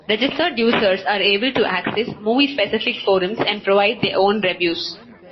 Registered users are able to access movie-specific forums and provide their own reviews.